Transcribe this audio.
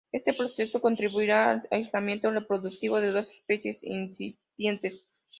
Este proceso contribuiría al aislamiento reproductivo de dos especies incipientes.